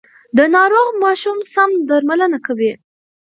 د ناروغ ماشوم سم درملنه کوي.